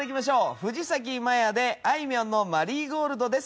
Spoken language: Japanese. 藤咲まやであいみょんの『マリーゴールド』です。